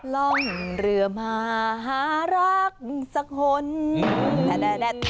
ล่องเรือมาหารักษะหล่น